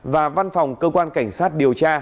và văn phòng cơ quan cảnh sát điều tra